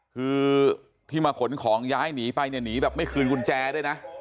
คือที่มาขนของย้ายหนีไปเนี่ยหนีแบบไม่คืนกุญแจด้วยนะ